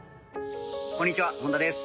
「こんにちは本田です」